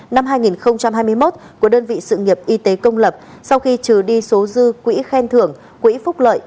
năm hai nghìn hai mươi một của đơn vị sự nghiệp y tế công lập sau khi trừ đi số dư quỹ khen thưởng quỹ phúc lợi